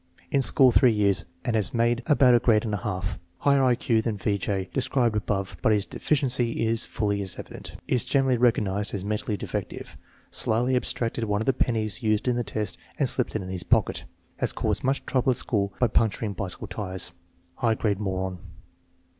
In school three years and has made about a grade and a half. Has higher I Q than V. J. described above, but his deficiency is fully as evident. Is gener ally recognized as mentally defective. Slyly abstracted one of the pennies used in the test and slipped it in FW 7. DIAMOND DBAWN BY A. w. to his pocket. Has caused much trouble at school by puncturing bicycle tires. High grade moron.